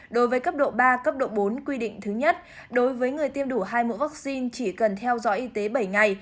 đối với cấp độ ba cấp độ bốn quy định thứ nhất đối với người tiêm đủ hai mẫu vaccine chỉ cần theo dõi y tế bảy ngày